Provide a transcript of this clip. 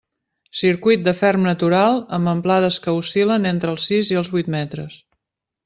Circuit de ferm natural amb amplades que oscil·len entre els sis i els vuit metres.